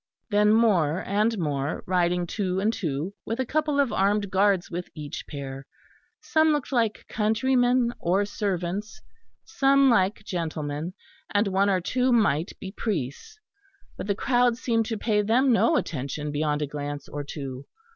Then more and more, riding two and two, with a couple of armed guards with each pair; some looked like country men or servants, some like gentlemen, and one or two might be priests; but the crowd seemed to pay them no attention beyond a glance or two.